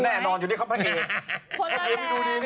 แน่นอนอยู่ในคำพันธ์เอก